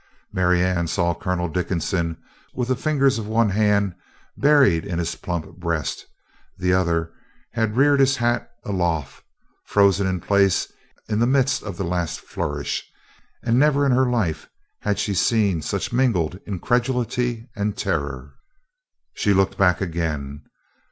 Marianne saw Colonel Dickinson with the fingers of one hand buried in his plump breast; the other had reared his hat aloft, frozen in place in the midst of the last flourish; and never in her life had she seen such mingled incredulity and terror. She looked back again.